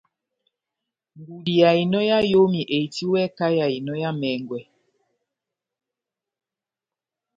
Ngudi ya ehinɔ ya eyomi ehitiwɛ kahá yá ehinɔ yá emɛngwɛ